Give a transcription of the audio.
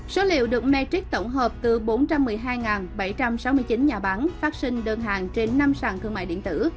số liệu được matric tổng hợp từ bốn trăm một mươi hai bảy trăm sáu mươi chín nhà bán phát sinh đơn hàng trên năm sàn thương mại điện tử